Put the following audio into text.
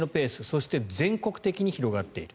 そして全国的に広がっている。